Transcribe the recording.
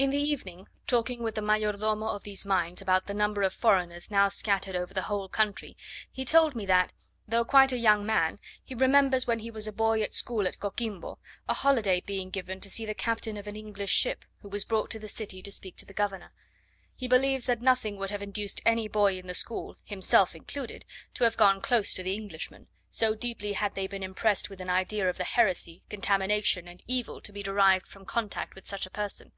In the evening, talking with the mayor domo of these mines about the number of foreigners now scattered over the whole country, he told me that, though quite a young man, he remembers when he was a boy at school at Coquimbo, a holiday being given to see the captain of an English ship, who was brought to the city to speak to the governor. He believes that nothing would have induced any boy in the school, himself included, to have gone close to the Englishman; so deeply had they been impressed with an idea of the heresy, contamination, and evil to be derived from contact with such a person.